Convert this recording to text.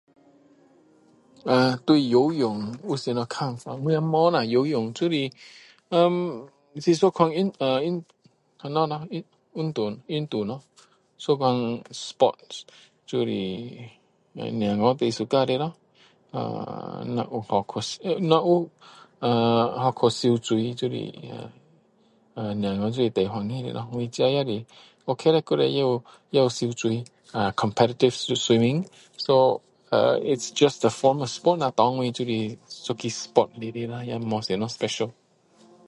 啊，对游泳有什么看法，也没啦，游泳就是[ehh]是一种运，运,什么咯，运动啦，运动啦，一种sport就是小孩最喜欢的咯，啊若有, [unintelligible] 若有[ahh]去游泳，就是[ahh]小孩最欢喜的咯。我自己也是ok啦，以前也有也有游泳，comparative swimming, so ahh is just the form. sport对我来说就是一个sport来的，没有什么special.